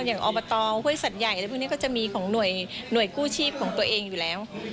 อบตห้วยสัตว์ใหญ่อะไรพวกนี้ก็จะมีของหน่วยกู้ชีพของตัวเองอยู่แล้ว